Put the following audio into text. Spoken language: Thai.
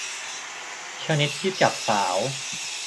ชนิดที่จับสาว